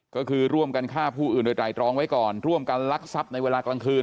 ก็คือร่วมกันฆ่าผู้อื่นโดยไตรรองไว้ก่อนร่วมกันลักทรัพย์ในเวลากลางคืน